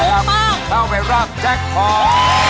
เข้าไปรับแจ๊คฮอล์